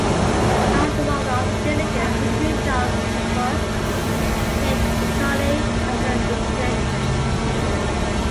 After one of the other delegates withdrew Charles Tupper picked McCully as a replacement.